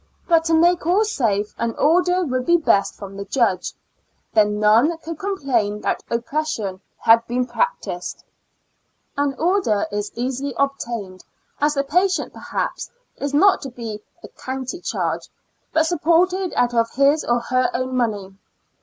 But to make all safe, an order would be best from the judge ; then none could complain that oppression had been practiced. An order is easily obtained, as the patient 30 ^^0 Years and Four Months perhaps is not to be a county charge, but sup ported out of his or her own money.